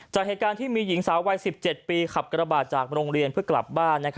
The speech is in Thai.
จากเหตุการณ์ที่มีหญิงสาววัย๑๗ปีขับกระบาดจากโรงเรียนเพื่อกลับบ้าน